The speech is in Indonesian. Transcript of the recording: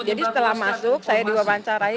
jadi setelah masuk saya diwawancarai